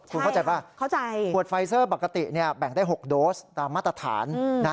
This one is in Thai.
คุณเข้าใจป่ะเข้าใจขวดไฟเซอร์ปกติแบ่งได้๖โดสตามมาตรฐาน